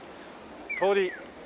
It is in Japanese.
通り。